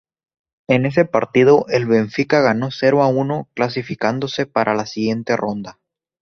En ese partido el Benfica ganó cero a uno clasificándose para la siguiente ronda.